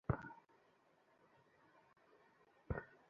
আমরা বড়রা চুরি করেছি।